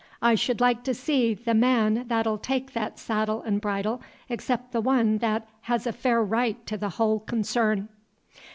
I should like to see the mahn that'll take off that seddle 'n' bridle, excep' the one th't hez a fair right to the whole concern!"